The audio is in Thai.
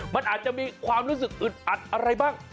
มันอาจจะมีความรู้สึกอึดอัดอะไรบ้าง